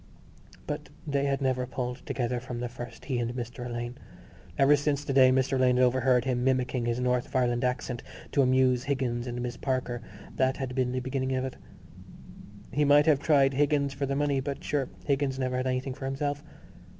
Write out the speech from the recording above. But they had never pulled together from the first, he and Mr Alleyne, ever since the day Mr Alleyne had overheard him mimicking his North of Ireland accent to amuse Higgins and Miss Parker: that had been the beginning of it. He might have tried Higgins for the money, but sure Higgins never had anything for himself.